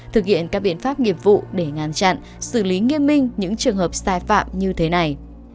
thực hiện các biện pháp nghiệp vụ để ngăn chặn xử lý nghiêm minh những trường hợp sai phạm như thế này